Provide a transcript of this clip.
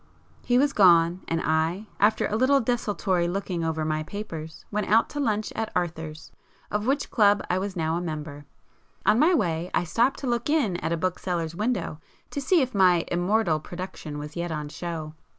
He was gone; and I, after a little desultory looking over my papers, went out to lunch at Arthur's, of which club I was now a member. On my way I stopped to look in at a bookseller's window to see if my 'immortal' production was yet on show.